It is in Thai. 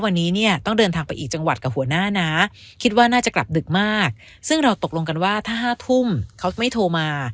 วันนี้เนี่ยต้องเดินทางไปอีกจังหวัดกับหัวหน้านะคิดว่าน่าจะกลับดึกมากซึ่งเราตกลงกันว่าถ้า๕ทุ่มเขาไม่โทรมา